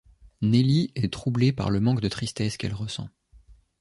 Nellie est troublée par le manque de tristesse qu'elle ressent.